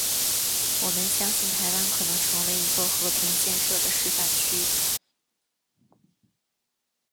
我们相信台湾可能成为一个和平建设的示范区。